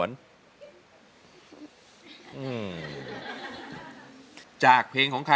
เต้าที่ตั้งมา